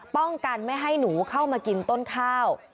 ป้องกันไม่ให้หนูเข้ามากินต้นข้าว